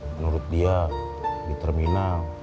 menurut dia di terminal